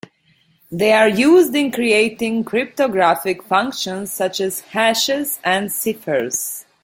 They are used in creating cryptographic functions such as hashes and ciphers.